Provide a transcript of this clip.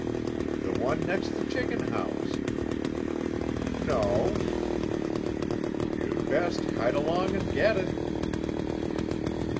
"The one next the chicken house." "No." "You'd best kite along and get it."